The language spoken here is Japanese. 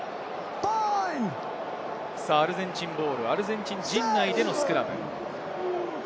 アルゼンチンボール、アルゼンチン陣内でのスクラム。